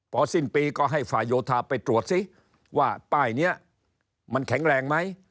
พอสิ้นปีก็ให้ฝ่ายโยธาไปตรวจซิว่าป้ายนี้มันแข็งแรงไหม